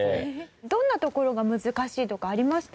どんなところが難しいとかありました？